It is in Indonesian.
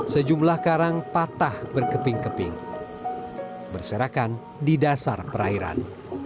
sejumlah karang patah berkeping keping berserakan di dasar perairan